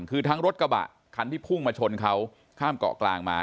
คือทั้งรถกระบะคันที่พุ่งมาชนเขาข้ามเกาะกลางมา